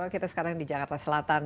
kita sekarang di jakarta selatan